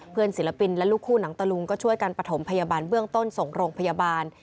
ศิลปินและลูกคู่หนังตะลุงก็ช่วยกันประถมพยาบาลเบื้องต้นส่งโรงพยาบาล